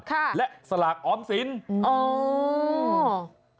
ค่ะและสลากออมสินอ๋อ